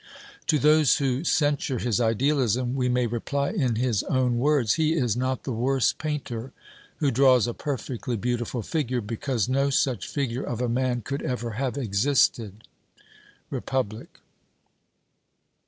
To those who censure his idealism we may reply in his own words 'He is not the worse painter who draws a perfectly beautiful figure, because no such figure of a man could ever have existed' (Republic).